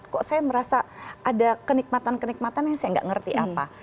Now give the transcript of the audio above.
kok saya merasa ada kenikmatan kenikmatan yang saya nggak ngerti apa